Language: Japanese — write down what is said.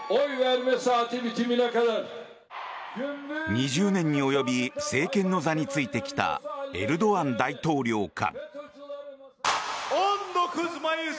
２０年に及び政権の座についてきたエルドアン大統領か。